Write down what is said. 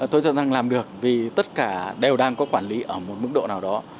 tôi cho rằng làm được vì tất cả đều đang có quản lý ở một mức độ nào đó